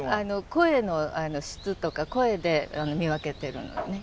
声の質とか声で見分けてるのね